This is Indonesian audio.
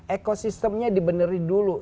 ekosistemnya dibenerin dulu